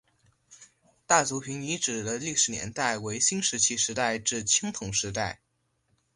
大族坪遗址的历史年代为新石器时代至青铜时代。